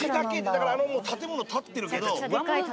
だからもう建物立ってるけど。